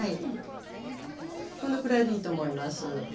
このくらいでいいと思います。